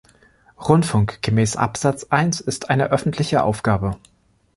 Rundfunk gemäß Absatz eins ist eine öffentliche Aufgabe.